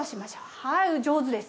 はい上手です。